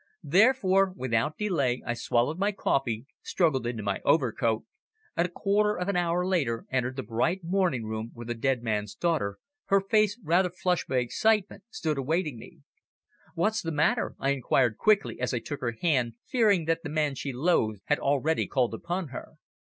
Therefore without delay I swallowed my coffee, struggled into my overcoat, and a quarter of an hour later entered the bright morning room where the dead man's daughter, her face rather flushed by excitement, stood awaiting me. "What's the matter?" I inquired quickly as I took her hand, fearing that the man she loathed had already called upon her.